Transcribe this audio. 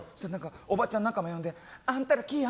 おばちゃん仲間呼んであんたら、来いや。